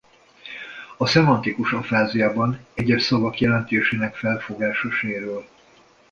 A szemantikus afáziában egyes szavak jelentésének felfogása sérül.